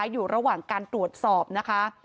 อยู่ระหว่างการตรวจสอบนะคะ